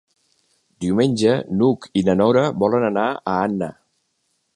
Diumenge n'Hug i na Nora volen anar a Anna.